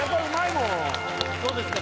もんどうですか？